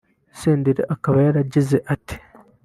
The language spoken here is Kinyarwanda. Senderi akaba yaragize ati